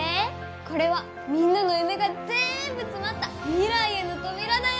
これはみんなの夢がぜんぶ詰まった未来への扉だよ！